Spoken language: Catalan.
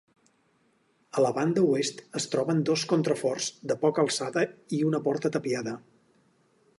A la banda oest es troben dos contraforts de poca alçada i una porta tapiada.